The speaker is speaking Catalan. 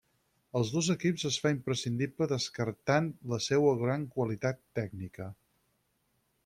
Als dos equips es fa imprescindible destacant per la seua gran qualitat tècnica.